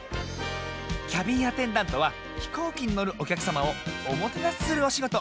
キャビンアテンダントはひこうきにのるおきゃくさまをおもてなしするおしごと。